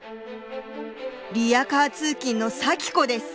リヤカー通勤のサキ子です。